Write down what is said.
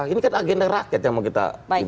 ini kan agenda rakyat yang mau kita